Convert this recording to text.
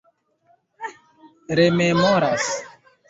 rememoras